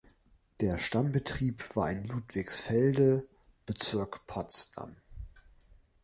Der Stammbetrieb war in Ludwigsfelde, Bezirk Potsdam.